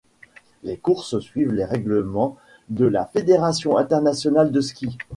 Les courses suivent les règlements de la fédération internationale de ski.